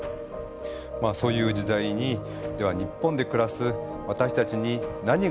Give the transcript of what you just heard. まあそういう時代に日本で暮らす私たちに何ができるのか。